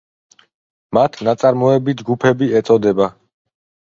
მათ „ნაწარმოები ჯგუფები“ ეწოდება.